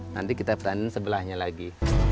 nanti kita tanding sebelahnya lagi